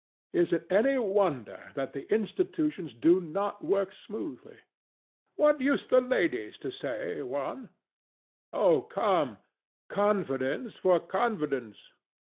Is it any wonder that the institutions do not work smoothly? THE STATUE. What used the ladies to say, Juan? DON JUAN. Oh, come! Confidence for confidence.